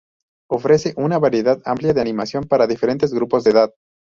Ofrece una variedad amplia de animación para diferentes grupos de edad.